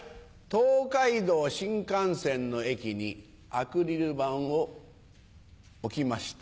東海道新幹線の駅にアクリル板を置きました。